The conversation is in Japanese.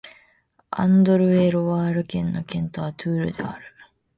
アンドル＝エ＝ロワール県の県都はトゥールである